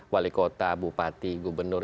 wali kota bupati gubernur